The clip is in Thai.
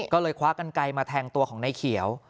ก็เลยคว้ากันไกลมาแทงตัวของนายเขียว